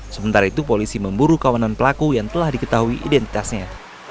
sementara itu polisi memburu kawanan pelaku yang telah diketahui identitasnya